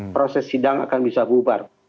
proses sidang akan bisa bubar